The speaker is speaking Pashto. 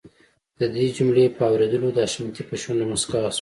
د دې جملې په اورېدلو د حشمتي په شونډو مسکا شوه.